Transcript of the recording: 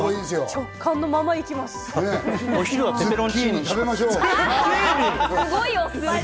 直感のまま行きます。